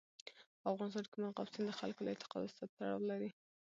په افغانستان کې مورغاب سیند د خلکو له اعتقاداتو سره تړاو لري.